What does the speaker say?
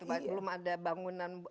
belum ada bangunan